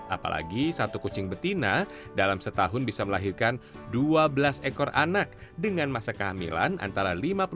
apalagi satu kucing betina dalam setahun bisa melahirkan dua belas ekor anak dengan masa kehamilan antara lima puluh delapan